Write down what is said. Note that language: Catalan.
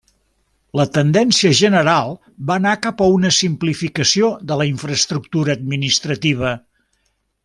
La tendència general va anar cap a una simplificació de la infraestructura administrativa.